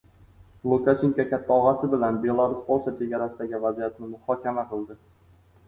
Lukashenko “katta og‘a”si bilan Belarus-Polsha chegarasidagi vaziyatni muhokama qildi